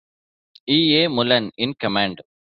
E. A. Mullan in command.